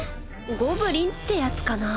ゴブリンってやつかな？